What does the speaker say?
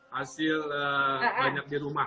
hasil banyak di rumah